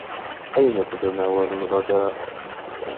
أين تتناول الغذاء؟